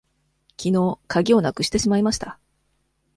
きのうかぎをなくしてしまいました。